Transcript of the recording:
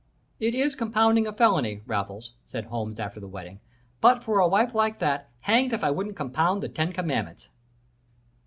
"'It is compounding a felony, Raffles,' said Holmes, after the wedding, 'but for a wife like that, hanged if I wouldn't compound the ten commandments!'